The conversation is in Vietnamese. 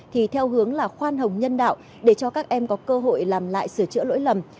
thì theo hướng là khoan hồng nhân đạo để cho các em có cơ hội làm lại sửa chữa lỗi lầm